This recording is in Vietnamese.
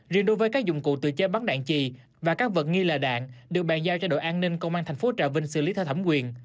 riêng đối với các dụng cụ tự chế bắn đạn trì và các vật nghi là đạn được bàn giao cho đội an ninh công an thành phố trà vinh xử lý theo thẩm quyền